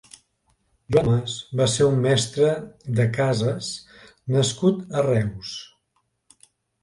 Joan Mas va ser un mestre de cases nascut a Reus.